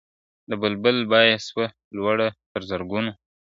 د بلبل بیه سوه لوړه تر زرګونو `